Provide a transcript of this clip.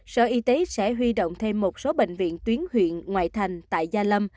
sở y tế sẽ huy động thêm một số bệnh viện tuyến huyện ngoại thành tại gia lâm